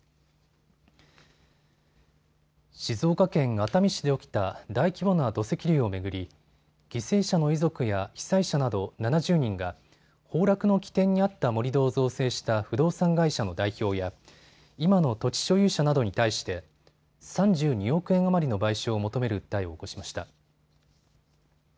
静岡県熱海市で起きた大規模な土石流を巡り犠牲者の遺族や被災者など７０人が崩落の起点にあった盛り土を造成した不動産会社の代表や今の土地所有者などに対して３２億円余りの賠償を求める訴えを起こしました。